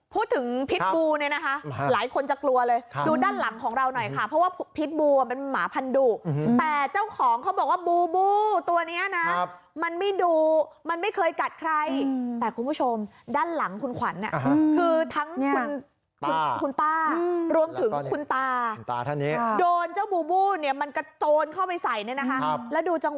พูดถึงพิษบูเนี่ยนะคะหลายคนจะกลัวเลยดูด้านหลังของเราหน่อยค่ะเพราะว่าพิษบูเป็นหมาพันธุแต่เจ้าของเขาบอกว่าบูบูตัวนี้นะมันไม่ดูมันไม่เคยกัดใครแต่คุณผู้ชมด้านหลังคุณขวัญคือทั้งคุณคุณป้ารวมถึงคุณตาท่านนี้โดนเจ้าบูบูเนี่ยมันกระโจนเข้าไปใส่เนี่ยนะคะแล้วดูจัง